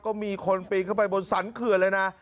ก็มีคนปีนเข้าไปบนสรรเขื่อนเลยนะ